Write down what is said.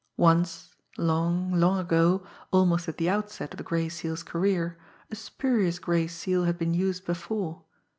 Once, long, long ago, almost at the outset of the Gray Seal's career, a spurious gray seal had been used before.